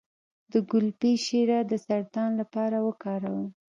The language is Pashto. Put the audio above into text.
د ګلپي شیره د سرطان لپاره وکاروئ